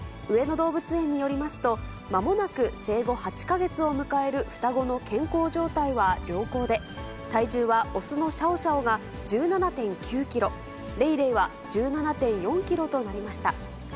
上野動物園によりますと、まもなく生後８か月を迎える双子の健康状態は良好で、体重は雄のシャオシャオが１７．９キロ、レイレイは１７．４キロとなりました。